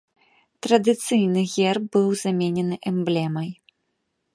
Традыцыйны герб быў заменены эмблемай.